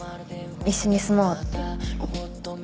一緒に住もうって。